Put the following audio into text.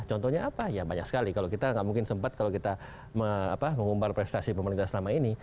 contohnya apa ya banyak sekali kalau kita nggak mungkin sempat kalau kita mengumbar prestasi pemerintah selama ini